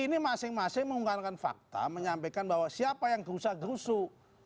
ini masing masing mengungkarkan fakta menyampaikan bahwa siapa yang kusah kusuh